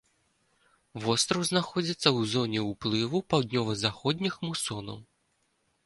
Востраў знаходзіцца ў зоне ўплыву паўднёва-заходніх мусонаў.